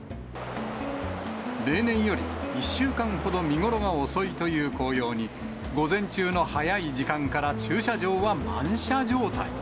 例年より１週間ほど見頃が遅いという紅葉に、午前中の早い時間から駐車場は満車状態。